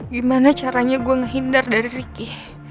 gimana caranya gue menghindar dari ricky